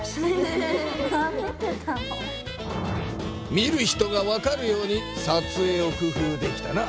見る人がわかるように撮影を工夫できたな。